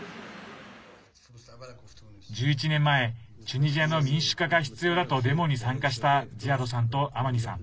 １１年前チュニジアの民主化が必要だとデモに参加したズィアドさんとアマニさん。